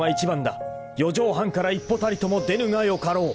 ［四畳半から一歩たりとも出ぬがよかろう］